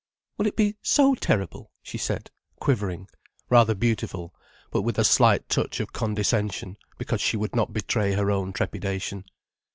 "Will it be so terrible?" she said, quivering, rather beautiful, but with a slight touch of condescension, because she would not betray her own trepidation.